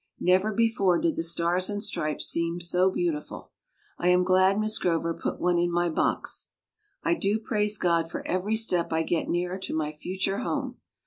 Xeyer before did the Stars and Stripes seem so beautiful. I am glad Miss Groyer put one in my box. I do praise God for eyery step I get nearer to my future home.